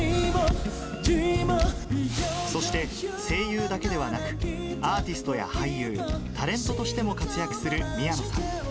そして声優だけではなく、アーティストや俳優、タレントしても活躍する宮野さん。